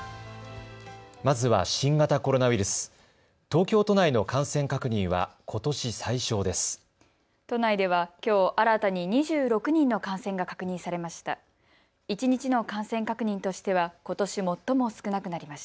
まずは新型コロナウイルス、東京都内の感染確認はことし最少です。